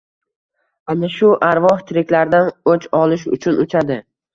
Ana shu arvoh tiriklardan... o‘ch olish uchun uchadi.